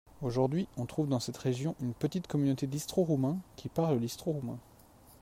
Aujourd’hui, on trouve dans cette région une petite communauté d’Istro-roumains, qui parlent l’istro-roumain.